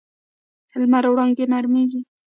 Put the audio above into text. د لمر وړانګې نرمېږي